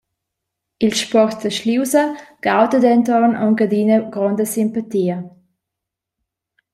Il sport da sliusa gauda denton aunc adina gronda simpatia.